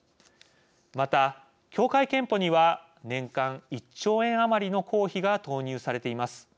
また、協会けんぽには年間１兆円余りの公費が投入されています。